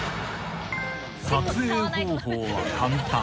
［撮影方法は簡単］